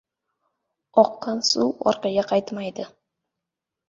• Oqqan suv orqaga qaytmaydi.